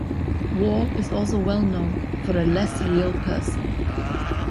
Wahl is also well known for a less "real" person.